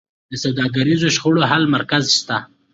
د سوداګریزو شخړو حل مرکز شته؟